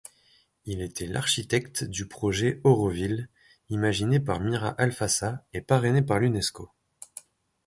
Il était l'architecte du projet Auroville, imaginé par Mirra Alfassa et parrainé par l'Unesco.